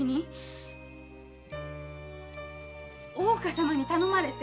大岡様に頼まれて？